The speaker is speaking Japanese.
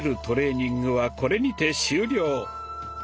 トレーニングはこれにて終了！